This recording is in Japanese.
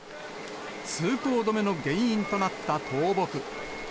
通行止めの原因となった倒木。